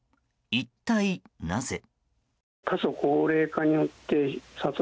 一体なぜ。